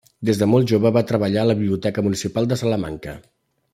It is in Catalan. Des de molt jove va treballar a la Biblioteca Municipal de Salamanca.